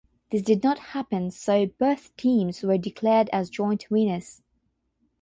This did not happen so both teams were declared as joint winners.